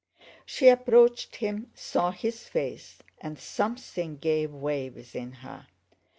She approached him, saw his face, and something gave way within her.